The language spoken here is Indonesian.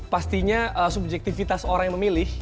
pastinya subjektivitas orang yang memilih